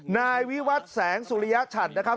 นายวิวัตรแสงสุริยชัดนะครับ